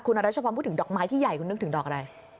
รัชพรพูดถึงดอกไม้ที่ใหญ่คุณนึกถึงดอกอะไร